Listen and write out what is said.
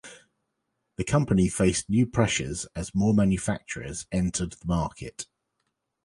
The company faced new pressures as more manufacturers entered the market.